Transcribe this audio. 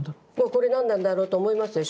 「これ何なんだろう？」と思いますでしょ。